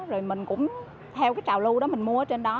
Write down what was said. rồi mình cũng theo cái trào lưu đó mình mua ở trên đó